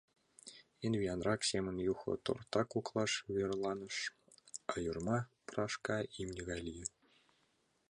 Эн виянрак семын Юхо торта коклаш верланыш, а Йорма прашка имне гай лие.